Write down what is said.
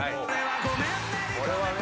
これはね。